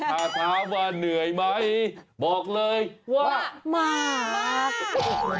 ถ้าถามว่าเหนื่อยไหมบอกเลยว่ามาก